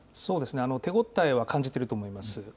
手応えは感じてると思います。